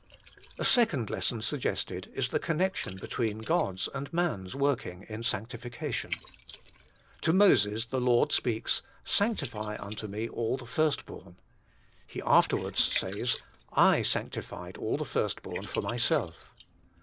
A second lesson suggested is the connection between God's and man's working in sanctification. To Moses the Lord speaks, ' Sanctify unto me all the first born.' He afterwards says, '/ sanctified all the first born for myself.'